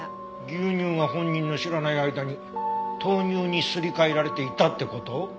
牛乳が本人の知らない間に豆乳にすり替えられていたって事？